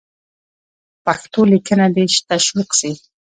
پښتو لیکنه دې تشویق سي.